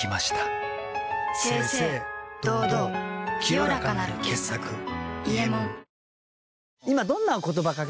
清々堂々清らかなる傑作「伊右衛門」徹さんに。